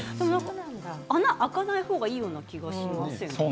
穴が開かない方がいいような気がしますよね。